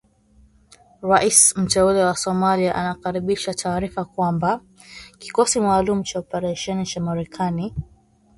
Rais mteule wa Somalia anakaribisha taarifa kwamba, kikosi maalum cha operesheni cha Marekani.